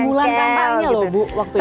delapan bulan kan paginya loh bu waktu itu